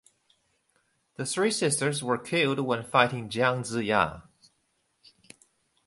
The three sisters were killed when fighting Jiang Ziya.